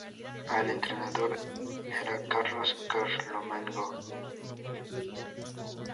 El entrenador era Carlos Carlomagno.